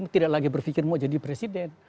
tidak lagi berpikir mau jadi presiden